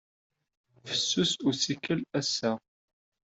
Fessus ussikel ass-a.